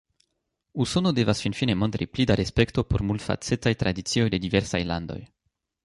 Usono devas finfine montri pli da respekto por multfacetaj tradicioj de diversaj landoj.